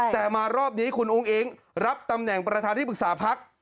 แต่มารอบนี้คุณอุ้งอิ๊งรับตำแหน่งประธานที่ปรึกษาพัก